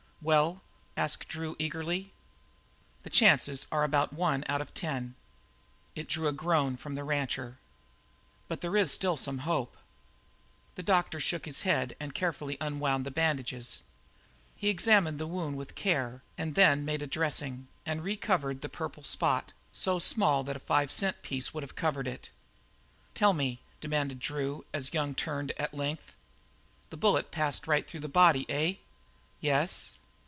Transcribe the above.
"Well?" asked Drew eagerly. "The chances are about one out of ten." It drew a groan from the rancher. "But there is still some hope." The doctor shook his head and carefully unwound the bandages. He examined the wound with care, and then made a dressing, and recovered the little purple spot, so small that a five cent piece would have covered it. "Tell me!" demanded Drew, as Young turned at length. "The bullet passed right through the body, eh?" "Yes."